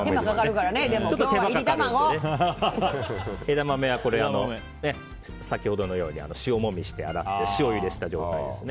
枝豆は先ほどのように塩もみして洗って塩ゆでした状態ですね。